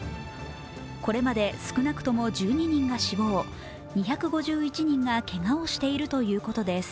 これまで少なくとも１２人が死亡２５１人がけがをしているということです。